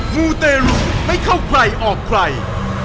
มูเตรุไม่เข้าใครออกใคร